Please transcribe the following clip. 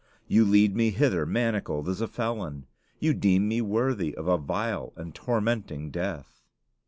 You lead me hither manacled as a felon; you deem me worthy of a vile and tormenting death!